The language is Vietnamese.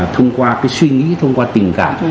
thông qua cái suy nghĩ thông qua tình cảm